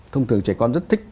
thông thường trẻ con rất thích